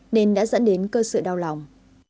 nên đã dẫn đến cơ sự đau lòng